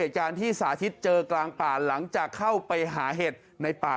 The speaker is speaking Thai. เห็นพี่สาธิตเขาบอกไหมงูเห่าตัวเท่าไหนครับ